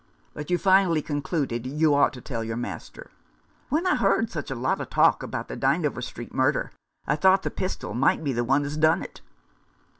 "But you finally concluded you ought to tell your master?" "When I heard such a lot of talk about the Dynevor Street murder I thought the pistol might be the one as done it."